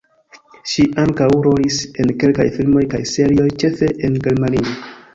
Ŝi ankaŭ rolis en kelkaj filmoj kaj serioj, ĉefe en Germanio.